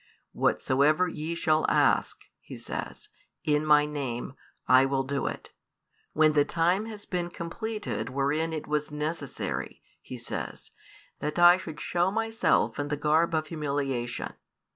Whatsoever ye shall ask," He says, "in My Name, I will do it, when the time has been completed wherein it was necessary," He says, "that I should show Myself in the garb of humiliation.